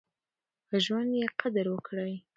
په ژوند يې قدر وکړئ.